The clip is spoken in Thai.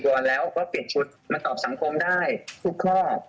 แล้วก็เปลี่ยนชุดมาตอบสังคมได้ทุกข้อ